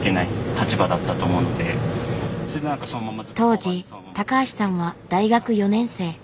当時高橋さんは大学４年生。